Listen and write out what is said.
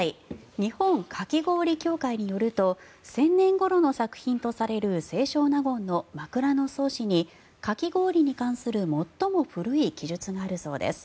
日本かき氷協会によると１０００年ごろの作品とされる清少納言の「枕草子」にかき氷に関する最も古い記述があるそうです。